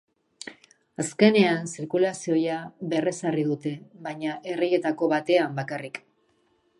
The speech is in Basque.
Azkenean, zirkulazioa berrezarri dute, baina erreietako batean bakarrik.